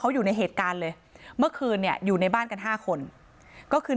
เขาอยู่ในเหตุการณ์เลยเมื่อคืนเนี่ยอยู่ในบ้านกันห้าคนก็คือ